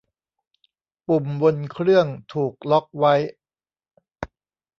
ปุ่มบนเครื่องถูกล็อกไว้